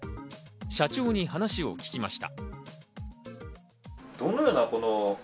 社長に話を聞きました。